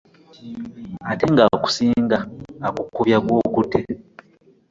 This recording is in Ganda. Ate nga akusinga akukubya gw'okutte .